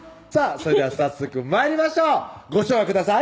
それでは早速参りましょうご唱和ください